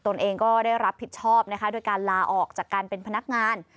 ตนเองก็ได้รับผิดชอบนะคะโดยการลาออกจากการเป็นพนักงาน